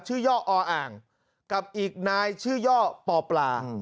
ย่ออ่างกับอีกนายชื่อย่อปอปลา